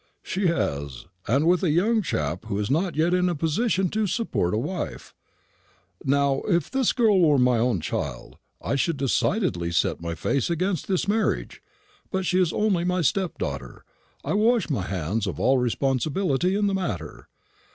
"She has, and with a young chap who is not yet in a position to support a wife. Now, if this girl were my own child, I should decidedly set my face against this marriage; but as she is only my stepdaughter, I wash my hands of all responsibility in the matter.